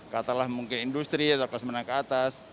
katalah mungkin industri atau kelas menengah ke atas